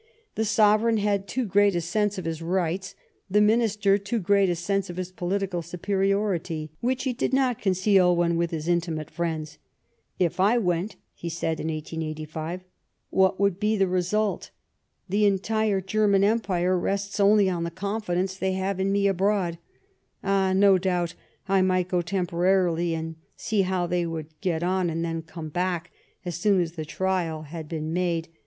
The Sovereign had too great a ^U'Ik"^!? sense of his rights ; the Minister too and the Em ^.'. press Augusta great a sense of his political superiority, which he did not conceal when with his intimate friends. "If I went," he said in 1885, " what would be the result ? The entire German Empire rests only on the confidence they have in me abroad. Ah ! no doubt I might go tem porarily and see how they would get on, and then come back as soon as the trial had been 215 Bismarck made.